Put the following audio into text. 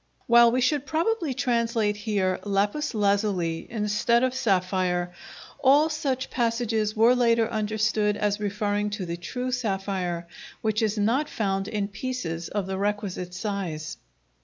While we should probably translate here "lapis lazuli" instead of "sapphire," all such passages were later understood as referring to the true sapphire, which is not found in pieces of the requisite size.